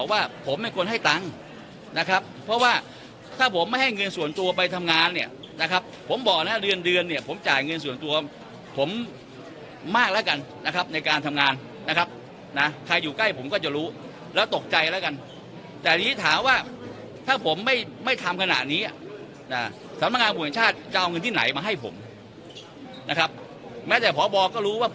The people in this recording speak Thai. ว่าผมไม่ควรให้ตังค์นะครับเพราะว่าถ้าผมไม่ให้เงินส่วนตัวไปทำงานเนี่ยนะครับผมบอกนะเดือนเดือนเนี่ยผมจ่ายเงินส่วนตัวผมมากแล้วกันนะครับในการทำงานนะครับนะใครอยู่ใกล้ผมก็จะรู้แล้วตกใจแล้วกันแต่ทีนี้ถามว่าถ้าผมไม่ไม่ทำขนาดนี้สำนักงานบุญแห่งชาติจะเอาเงินที่ไหนมาให้ผมนะครับแม้แต่พบก็รู้ว่า